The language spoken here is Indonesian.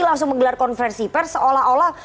langsung menggelar konversi pers seolah olah